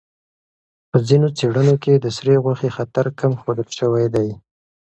په ځینو څېړنو کې د سرې غوښې خطر کم ښودل شوی دی.